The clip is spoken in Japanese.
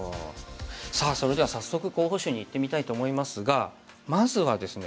さあそれでは早速候補手にいってみたいと思いますがまずはですね